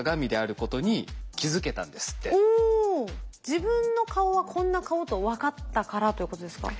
自分の顔はこんな顔と分かったからということですか？